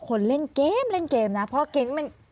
คนเล่นเกมเพราะว่าเกมมัน